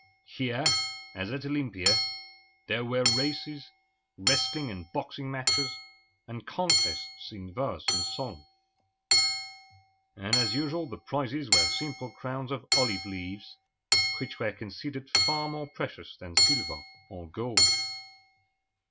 Here, as at Olympia, there were races, wrestling and boxing matches, and contests in verse and song; and as usual the prizes were simple crowns of olive leaves, which were considered far more precious than silver or gold.